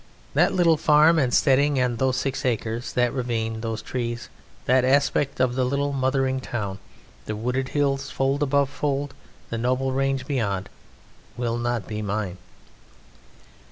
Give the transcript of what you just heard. That little farm and steading and those six acres, that ravine, those trees, that aspect of the little mothering town; the wooded hills fold above fold, the noble range beyond, will not be mine.